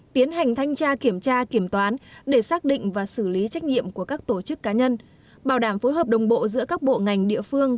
tiến hành thanh tra kiểm tra kiểm toán để xác định và xử lý trách nhiệm của các tổ chức cá nhân bảo đảm phối hợp đồng bộ giữa các bộ ngành địa phương